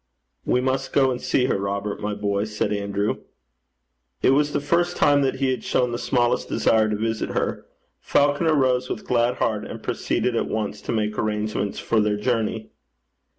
'We must go and see her, Robert, my boy,' said Andrew. It was the first time that he had shown the smallest desire to visit her. Falconer rose with glad heart, and proceeded at once to make arrangements for their journey.